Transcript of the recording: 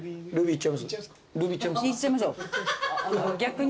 いっちゃいましょう。